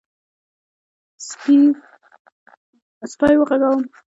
_سپی وغږوم؟